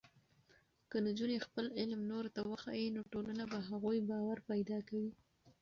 که نجونې خپل علم نورو ته وښيي، نو ټولنه په هغوی باور پیدا کوي.